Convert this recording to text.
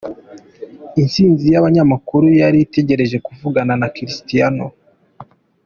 Isinzi y'abanyamakuru yari itegereje kuvugana na Cristiano.